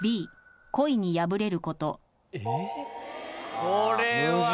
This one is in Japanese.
これは。